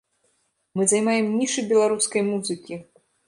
Мы займаем нішы беларускай музыкі!